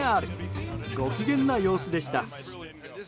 ご機嫌な様子でした。